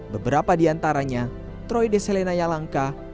beberapa di antaranya troy deselenaya langka